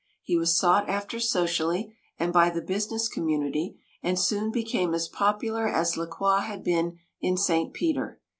He was sought after socially, and by the business community, and soon became as popular as La Croix had been in St. Peter.